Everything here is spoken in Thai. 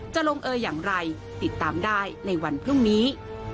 จะลงเอออย่างไรติดตามได้ในวันพรุ่งนี้